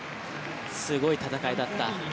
すごい戦いだった。